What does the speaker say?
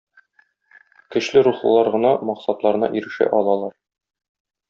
Көчле рухлылар гына максатларына ирешә алалар.